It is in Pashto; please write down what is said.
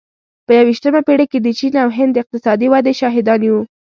په یوویشتمه پېړۍ کې د چین او هند د اقتصادي ودې شاهدان یو.